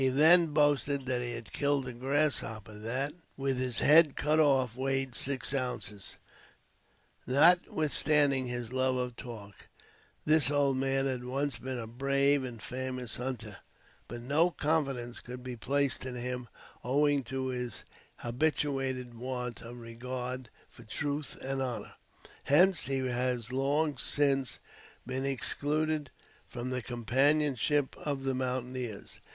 He then boasted that he had killed a grasshopper that, with his head cut off, weighed six ounces. Notwithstanding his love of talk, this old man had once been a brave and famous hunter; but no confidence could be placed in him, owing to his habituated want of regard for truth and honor; hence, he has long since been excluded from the companionship of the mountaineers.